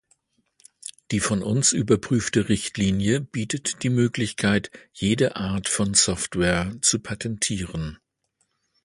Die von uns überprüfte Richtlinie bietet die Möglichkeit, jede Art von Software zu patentieren.